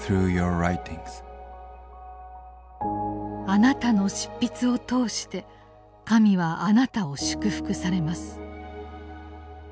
「あなたの執筆を通して神はあなたを祝福されます」。